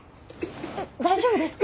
大丈夫ですか？